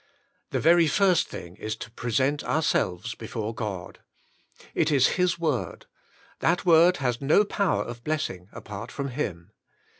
The very first thing is to present ourselves before God. It is His Word; that Word has no power of blessing apart from Him.